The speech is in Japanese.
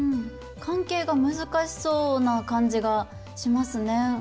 関係が難しそうな感じがしますね。